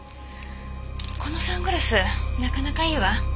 このサングラスなかなかいいわ。